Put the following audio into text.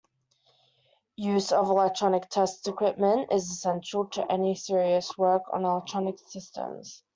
Use of electronic test equipment is essential to any serious work on electronics systems.